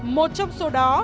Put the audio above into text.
một trong số đó